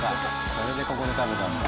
それでここで食べたんだ。